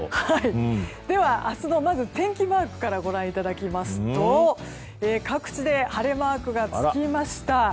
では明日の天気マークからご覧いただきますと各地で晴れマークがつきました。